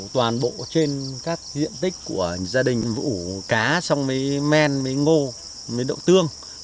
toàn bộ trên các diện tích của gia đình ủ cá xong với men với ngô với đậu tương